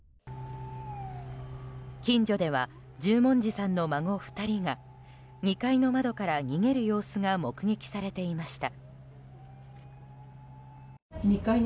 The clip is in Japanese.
近所では十文字さんの孫２人が２階の窓から逃げる様子が目撃されていました。